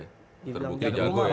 terbukti jago ya